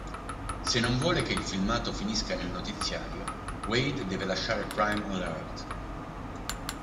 Se non vuole che il filmato finisca nel notiziario, Wade deve lasciare Crime Alert.